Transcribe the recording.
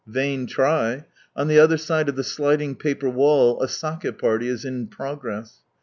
Vain try I On ihe other side of the sliding paper wall a Sak6 party is in progress.